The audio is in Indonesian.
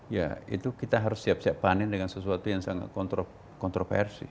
ya itu kita harus siap siap panen dengan sesuatu yang sangat kontroversi